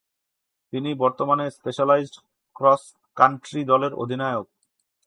তিনি বর্তমানে specialised cross country দলের অধিনায়ক।